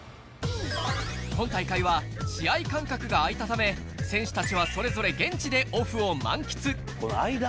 今大会は試合間隔があいたため、選手たちはそれぞれ現地でオフを満喫。